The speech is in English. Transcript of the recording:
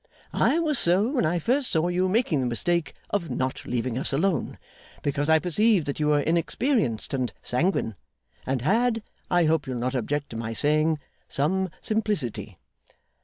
I was so, when I first saw you making the mistake of not leaving us alone; because I perceived that you were inexperienced and sanguine, and had I hope you'll not object to my saying some simplicity?